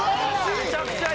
めちゃくちゃいい！